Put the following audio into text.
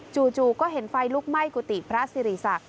จู่ก็เห็นไฟลุกไหม้กุฏิพระสิริษัก